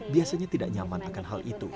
biasanya tidak nyaman akan hal itu